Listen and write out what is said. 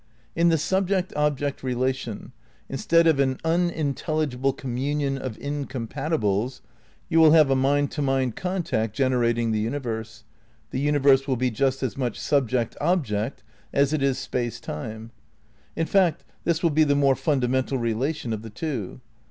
In the subject object relation, instead of an unintelligible com munion of incompatibles, you will have a mind to mind contact generating the universe; the universe will be just as much Subject Object as it is Space Time. In fact, this will be the more fundamental relation of the two.